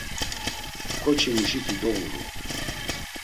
Ǩoçimuşiti doğuru.